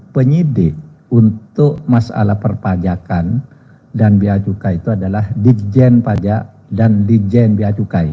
penyidik untuk masalah perpajakan dan biacukai itu adalah dirjen pajak dan dirjen biacukai